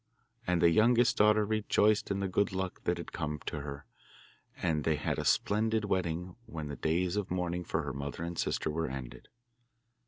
And the youngest daughter rejoiced in the good luck that had come to her, and they had a splendid wedding when the days of mourning for her mother and sister were ended.